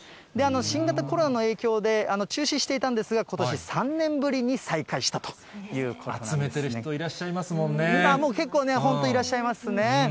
新型コロナの影響で中止していたんですが、ことし３年ぶりに再開集めてる人、いらっしゃいま結構、本当、いらっしゃいますね。